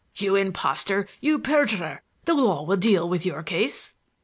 "You impostor,—you perjurer! The law will deal with your case."